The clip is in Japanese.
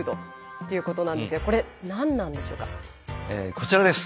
こちらです。